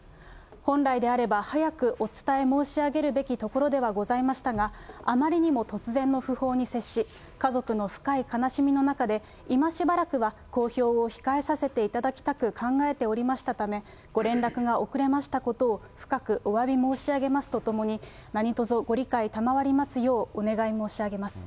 本来であれば早くお伝え申し上げるべきところではございましたが、あまりにも突然の訃報に接し、家族の深い悲しみの中で、今しばらくは公表を控えさせていただきたく考えておりましたため、ご連絡が遅れましたことを深くおわび申し上げますとともに、何とぞご理解賜りますようお願い申し上げます。